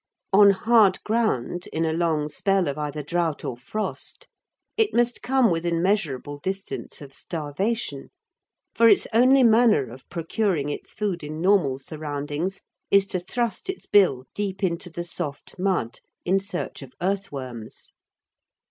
On hard ground, in a long spell of either drought or frost, it must come within measurable distance of starvation, for its only manner of procuring its food in normal surroundings is to thrust its bill deep into the soft mud in search of earthworms.